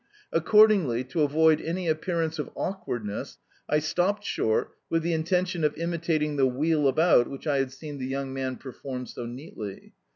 Accordingly, to avoid any appearance of awkwardness, I stopped short, with the intention of imitating the "wheel about" which I had seen the young man perform so neatly.